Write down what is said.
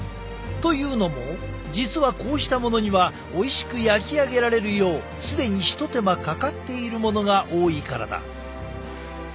というのも実はこうしたものにはおいしく焼き上げられるよう既に一手間かかっているものが多いからだ。